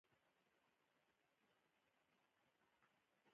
ماران او جوګیان یو کال تر مځکې لاندې ژوند کوي.